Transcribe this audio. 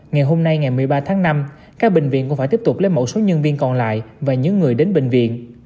ngày hôm nay ngày một mươi ba tháng năm các bệnh viện cũng phải tiếp tục lấy mẫu số nhân viên còn lại và những người đến bệnh viện